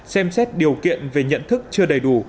xem xét điều kiện về nhận thức chưa đầy đủ